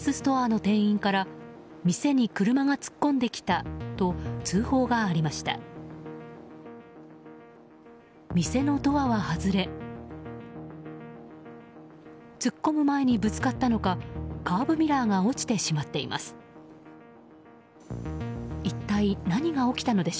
店のドアは外れ突っ込む前にぶつかったのかカーブミラーが落ちてしまっています。